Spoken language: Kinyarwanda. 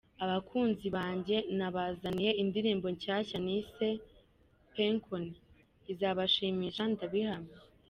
Abakunzi banjye nabazaniye indirimbo nshyashya nise 'Mpe Enkoni' izabashimisha ndabihamya.